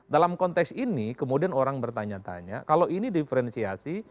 dalam konteks ini kemudian orang bertanya tanya kalau ini diferensiasi